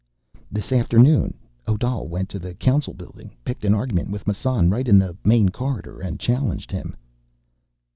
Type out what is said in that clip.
"This afternoon, Odal went to the Council building. Picked an argument with Massan right in the main corridor and challenged him."